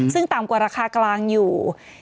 ซึ่งต่ำกว่าราคากลางอยู่